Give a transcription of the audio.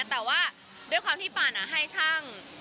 แต่ว่าด้วยความที่ปั่นให้ช่าง